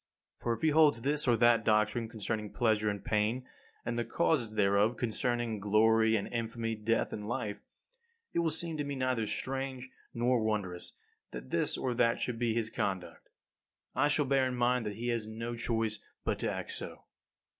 For if he holds this or that doctrine concerning pleasure and pain, and the causes thereof, concerning glory and infamy, death and life, it will seem to me neither strange nor wondrous that this or that should be his conduct. I shall bear in mind that he has no choice but to act so.